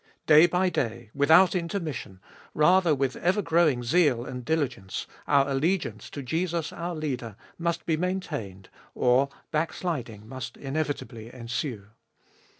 Day by day, without intermission, rather with ever growing zeal and diligence, our allegiance to Jesus our Leader must be maintained, or backsliding must inevitably ensue.